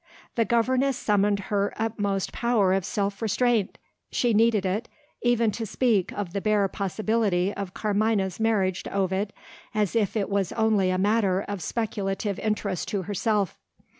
The governess summoned her utmost power of self restraint. She needed it, even to speak of the bare possibility of Carmina's marriage to Ovid, as if it was only a matter of speculative interest to herself.